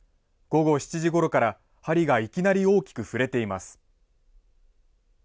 午後７時ごろから、針がいきなり大きく振れています。